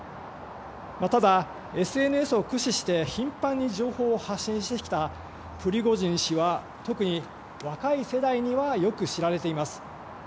ただ、ＳＮＳを駆使して頻繁に情報を発信してきたプリゴジン氏は特に若い世代にはよく知られています。